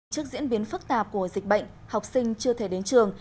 trước diễn biến phức tạp của dịch bệnh học sinh chưa thể đến trường